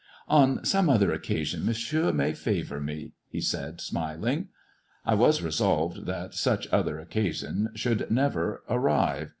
" On some other occasion, Monsieur may favour me," he said, smiling. I was resolved that such other occasion should never arrive.